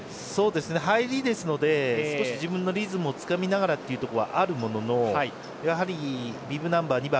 入りですので少し自分のリズムをつかみながらというところはあるもののやはり、ビブナンバー